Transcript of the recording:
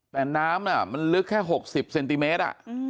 แต่น้ำมันลึกแค่๖๐เซนติเมตร